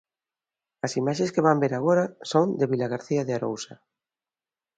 As imaxes que van ver agora son de Vilagarcía de Arousa.